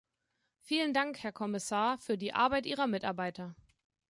Vielen Dank, Herr Kommissar, für die Arbeit Ihrer Mitarbeiter!